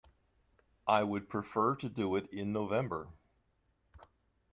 I would prefer to do it in November.